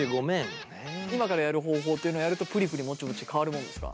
今からやる方法っていうのをやるとプリプリもちもち変わるもんですか？